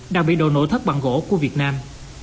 đang bị đổ nổ thất bằng gỗ của việt nam